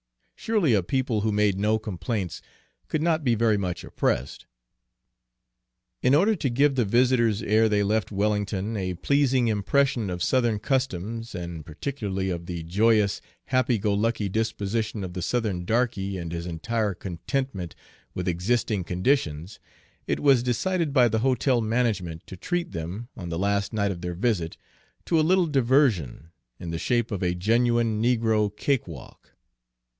Surely a people who made no complaints could not be very much oppressed. In order to give the visitors, ere they left Wellington, a pleasing impression of Southern customs, and particularly of the joyous, happy go lucky disposition of the Southern darky and his entire contentment with existing conditions, it was decided by the hotel management to treat them, on the last night of their visit, to a little diversion, in the shape of a genuine negro cakewalk.